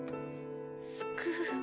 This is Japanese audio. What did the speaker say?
「救う」？